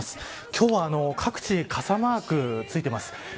今日は各地に傘マーク、ついてます。